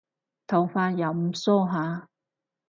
頭髮又唔梳下